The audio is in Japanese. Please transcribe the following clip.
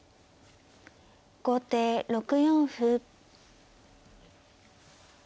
後手６四歩。